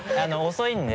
遅いんで。